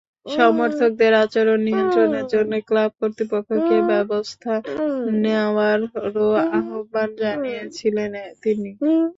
সমর্থকদের আচরণ নিয়ন্ত্রণের জন্য ক্লাব কর্তৃপক্ষকে ব্যবস্থা নেওয়ারও আহ্বান জানিয়েছিলেন তিনি।